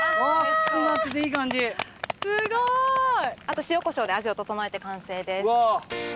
あと塩こしょうで味を調えて完成です。